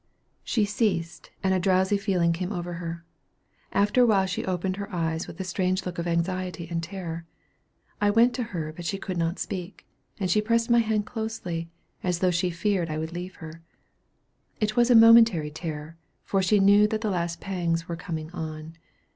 She ceased, and a drowsy feeling came over her. After a while she opened her eyes with a strange look of anxiety and terror. I went to her, but she could not speak, and she pressed my hand closely, as though she feared I would leave her. It was a momentary terror, for she knew that the last pangs were coming on.